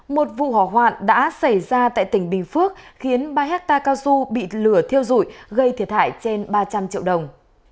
một vụ hỏa hoạn đã xảy ra tại tỉnh bình phước khiến ba hectare cao su bị lửa thiêu rụi gây thiệt hại trên ba trăm linh triệu đồng